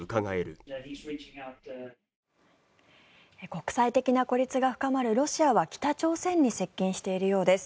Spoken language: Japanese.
国際的な孤立が深まるロシアは北朝鮮に接近しているようです。